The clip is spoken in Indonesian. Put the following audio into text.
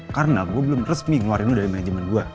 karena gue belum resmi ngeluarin lo dari manajemen gue